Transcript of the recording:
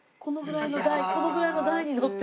このぐらいの台に乗って。